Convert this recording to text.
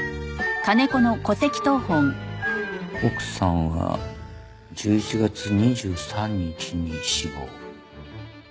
奥さんは１１月２３日に死亡。